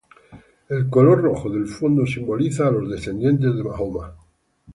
El color rojo del fondo simboliza a los descendientes de Mahoma.